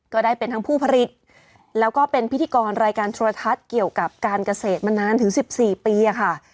ก็ได้เป็นทั้งผู้ผลิตแล้วก็เป็นพิธีกรรายการโทรทัศน์เกี่ยวกับการเกษตรมานานถึง๑๔ปีค่ะ